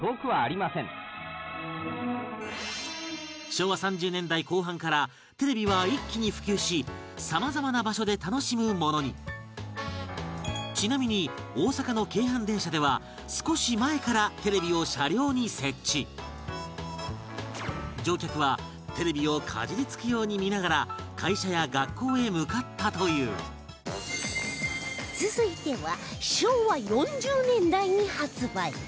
昭和３０年代後半からテレビは、一気に普及しさまざまな場所で楽しむものにちなみに大阪の京阪電車では少し前からテレビを車両に設置乗客は、テレビをかじりつくように見ながら会社や学校へ向かったという続いては昭和４０年代に発売